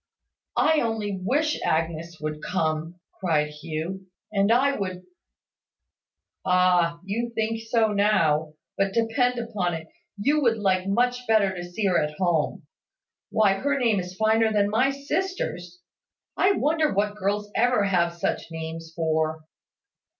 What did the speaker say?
"I only wish Agnes would come," cried Hugh, "and I would " "Ah! You think so now; but depend upon it, you would like much better to see her at home. Why, her name is finer than my sister's! I wonder what girls ever have such names for!"